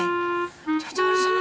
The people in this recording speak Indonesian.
eh jangan jangan disana